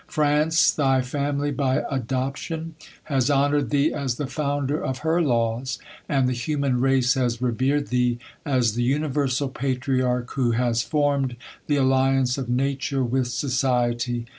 France, thy family by adoption, has hon ored thee as the founder of her laws ; and the human race has revered thee as the universal patriarch who has formed the alliance of nature with society.